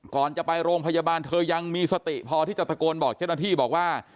ก่อนจะไปโรงพยาบาลเธอยังมีสติพอที่จะตะโกนบอกเจ้าหน้าที่บอกว่า